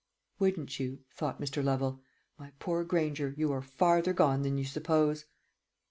"Wouldn't you?" thought Mr. Lovel. "My poor Granger, you are farther gone than you suppose!"